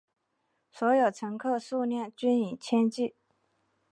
所有乘客数量均以千计。